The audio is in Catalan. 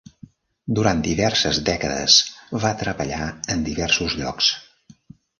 Durant diverses dècades, va treballar en diversos llocs.